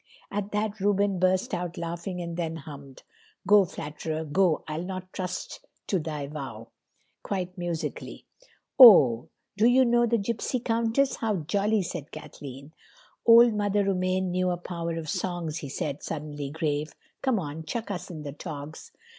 At that Reuben burst out laughing and then hummed: "'Go, flatterer, go, I'll not trust to thy vow,'" quite musically. "Oh, do you know the 'Gypsy Countess'? How jolly!" said Kathleen. "Old Mother Romaine knew a power of songs," he said, suddenly grave. "Come on, chuck us in the togs."